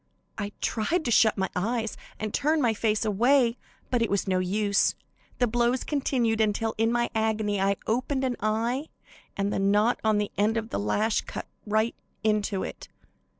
I tried to shut my eyes and turn my face away, but it was no use, the blows continued until, in my agony, I opened an eye, and the knot on the end of the lash cut right into it.